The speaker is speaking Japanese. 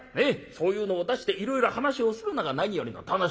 そういうのを出していろいろ話をするのが何よりの楽しみだ。